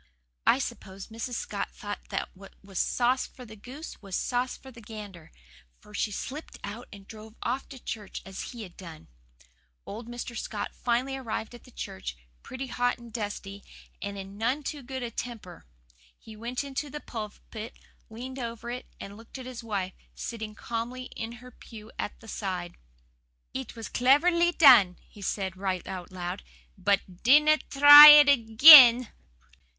I suppose Mrs. Scott thought that what was sauce for the goose was sauce for the gander, for she slipped out and drove off to church as he had done. Old Mr. Scott finally arrived at the church, pretty hot and dusty, and in none too good a temper. He went into the pulpit, leaned over it and looked at his wife, sitting calmly in her pew at the side. "'It was cleverly done,' he said, right out loud, 'BUT DINNA TRY IT AGAIN!